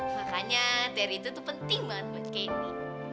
makanya teri itu tuh penting banget buat kendi